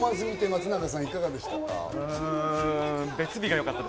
松永さん、いかがでした？